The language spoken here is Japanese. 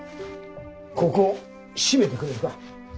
ここ締めてくれるか。